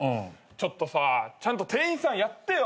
ちょっとさちゃんと店員さんやってよ！